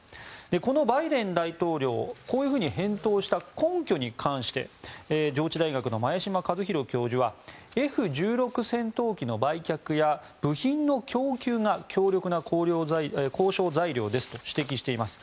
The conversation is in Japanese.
このバイデン大統領こういうふうに返答した根拠に関して上智大学の前嶋和弘教授はＦ１６戦闘機の売却や部品の供給が強力な交渉材料ですと指摘しています。